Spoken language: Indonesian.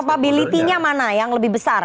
tapi probability nya mana yang lebih besar